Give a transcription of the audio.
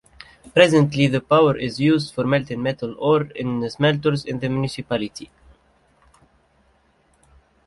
Presently, the power is used for melting metal ore in smelters in the municipality.